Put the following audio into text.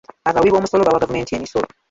Abawiboomusolo bawa gavumenti emisolo